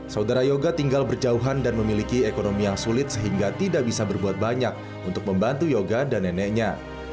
saudara yoga tinggal berjauhan dan memiliki ekonomi yang sulit sehingga tidak bisa berbuat banyak untuk membantu yoga dan neneknya